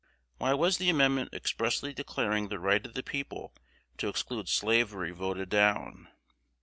Why was the amendment expressly declaring the right of the people to exclude slavery voted down?